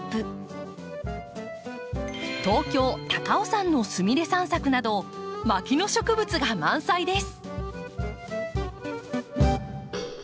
東京・高尾山のスミレ散策など牧野植物が満載です。